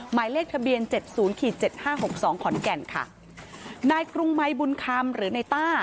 หมายเลขทะเบียน๗๐๗๕๖๒ขอนแก่นค่ะนายกรุงมัยบุญคำหรือในต้า